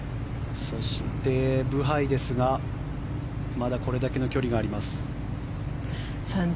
そして、ブハイですがまだこれだけの距離があります。